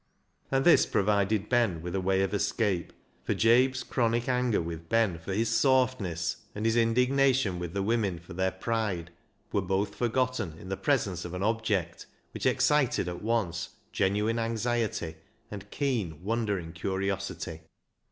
And this provided Ben with a way of escape, for Jabe's chronic anger with Ben for his " sawftniss," and his indignation with the women for their pride, were both forgotten in the presence of an object which excited at once genuine anxiety and keen, wondering curiosity.